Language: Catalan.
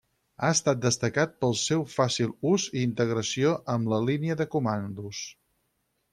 Ha estat destacat pel seu fàcil ús i integració amb la línia de comandos.